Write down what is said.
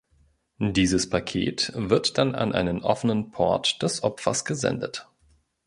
Dieses Paket wird dann an einen offenen Port des Opfers gesendet.